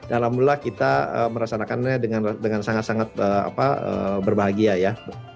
alhamdulillah kita meresanakannya dengan sangat sangat berbahagia ya